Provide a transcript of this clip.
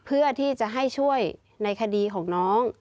เพื่อที่จะให้ช่วยในคดีของน้อง